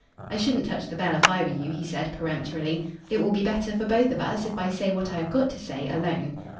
"I shouldn't touch the bell if I were you," he said peremptorily. "It will be better for both of us if I say what I have got to say alone."